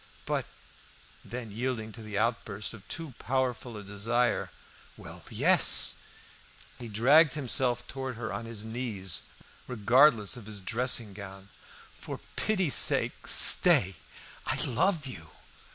"But " Then, yielding to the outburst of too powerful a desire, "Well, yes!" He dragged himself towards her on his knees, regardless of his dressing gown. "For pity's sake, stay. I love you!"